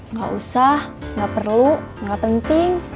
nggak usah nggak perlu nggak penting